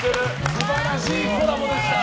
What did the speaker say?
素晴らしいコラボでした。